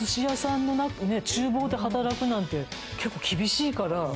厨房で働くなんて結構厳しいから。